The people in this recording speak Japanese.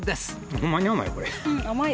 ほんまに甘い、これ。